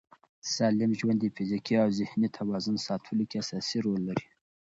سالم ژوند د فزیکي او ذهني توازن ساتلو کې اساسي رول لري.